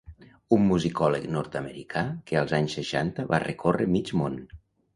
un musicòleg nord-americà que als anys seixanta va recórrer mig món